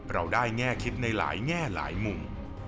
เราได้แง่คิดในหลายแง่หลายมุม